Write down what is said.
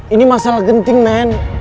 ini masalah genting men